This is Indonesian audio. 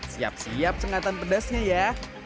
siap siap sengatan pedasnya ya